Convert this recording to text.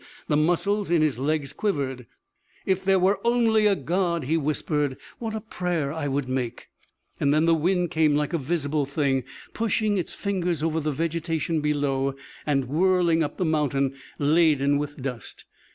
The muscles in his legs quivered. "If there were only a God," he whispered, "what a prayer I would make!" Then the wind came like a visible thing, pushing its fingers over the vegetation below, and whirling up the mountain, laden with dust.